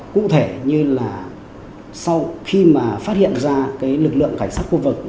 cụ thể như là sau khi mà phát hiện ra cái lực lượng cảnh sát khu vực